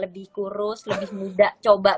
udah dochter udah sudah ga udahet biksu